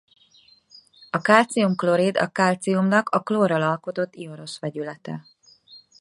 A kalcium-klorid a kalciumnak a klórral alkotott ionos vegyülete.